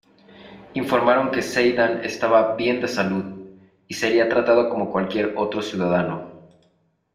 Informaron que Zeidan estaba "bien de salud" y sería tratado "como cualquier otro ciudadano".